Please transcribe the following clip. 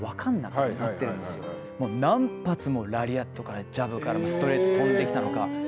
何発もラリアットからジャブからストレート飛んできたのか。